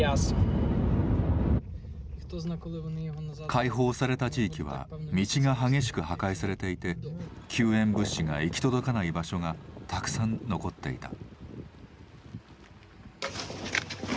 解放された地域は道が激しく破壊されていて救援物資が行き届かない場所がたくさん残っていた。